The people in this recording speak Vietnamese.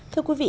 thưa quý vị